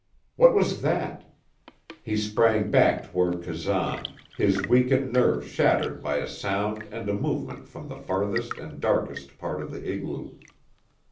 What was that? He sprang back toward Kazan, his weakened nerves shattered by a sound and a movement from the farthest and darkest part of the igloo.